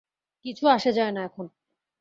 কিছু আসে যায় না এখন।